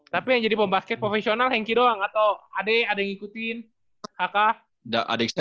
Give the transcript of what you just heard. tapi yang jadi pembaske profesional hengki doang atau adek ada yang ngikutin